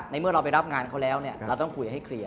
เมื่อเราไปรับงานเขาแล้วเราต้องคุยให้เคลียร์